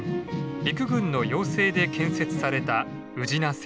陸軍の要請で建設された宇品線。